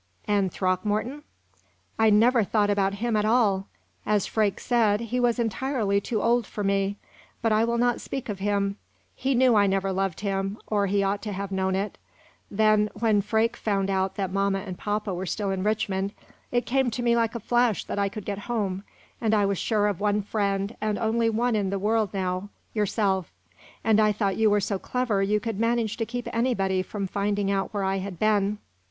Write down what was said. '" "And Throckmorton?" "I never thought about him at all. As Freke said, he was entirely too old for me. But I will not speak of him. He knew I never loved him or he ought to have known it. Then, when Freke found out that mamma and papa were still in Richmond, it came to me like a flash that I could get home, and I was sure of one friend, and only one in the world now yourself. And I thought you were so clever you could manage to keep anybody from finding out where I had been.